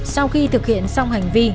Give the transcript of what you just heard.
sau khi thực hiện xong hành vi